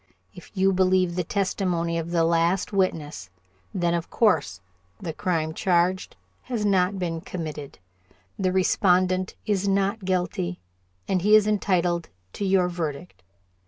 If you believe the testimony of the last witness, then, of course, the crime charged has not been committed, the respondent is not guilty, and he is entitled to your verdict.